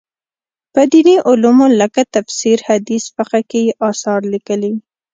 په دیني علومو لکه تفسیر، حدیث، فقه کې یې اثار لیکلي.